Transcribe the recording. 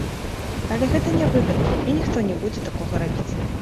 Але гэта нявыгадна, і ніхто не будзе такога рабіць.